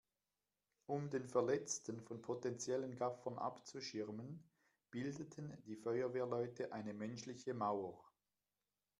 Um den Verletzten von potenziellen Gaffern abzuschirmen, bildeten die Feuerwehrleute eine menschliche Mauer.